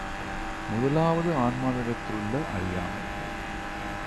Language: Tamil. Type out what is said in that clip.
முதலாவது ஆன்மாவினிடத்திலுள்ள அறியாமை.